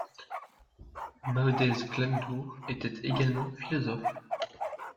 Maodez Glanndour était également philosophe.